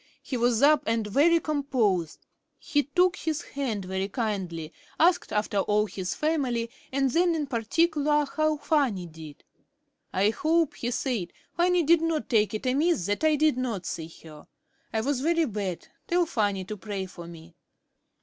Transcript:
He was up and very composed. He took his hand very kindly, asked after all his family, and then in particular how Fanny did. "I hope," he said, "Fanny did not take it amiss that I did not see her. I was very bad. Tell Fanny to pray for me."